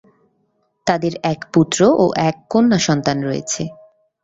তাদের এক পুত্র ও এক কন্যা সন্তান রয়েছে।